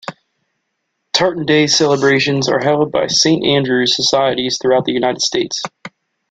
Tartan Day celebrations are held by Saint Andrew's Societies throughout the United States.